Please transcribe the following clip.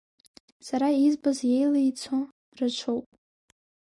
Сара избаз иеилицо рацәоуп.